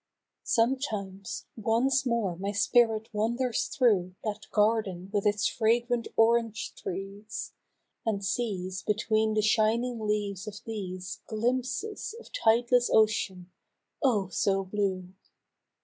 Sometimes once more my spirit wanders through That garden with its fragrant orange trees. And sees between the shining leaves of these Glimpses of tideless ocean, oh ! so blue.